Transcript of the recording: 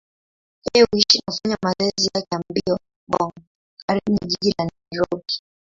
Yeye huishi na hufanya mazoezi yake ya mbio Ngong, karibu na jiji la Nairobi.